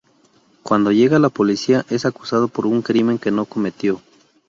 Cuando llega la policía es acusado por un crimen que no cometió.